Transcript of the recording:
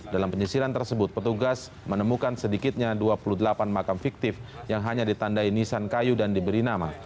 dalam penyisiran tersebut petugas menemukan sedikitnya dua puluh delapan makam fiktif yang hanya ditandai nisan kayu dan diberi nama